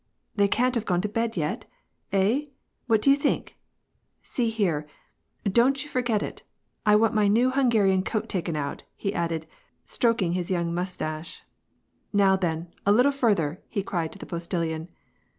" They can't have gone to bed yet ? Hey ? What do you think ? See here I Don't you forget it, I want my new Hun garian coat taken out/' he added, stroking his young mus tache. " Now then, a little farther," he cried to the postillion.